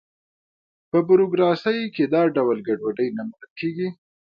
په بروکراسي کې دا ډول ګډوډي نه منل کېږي.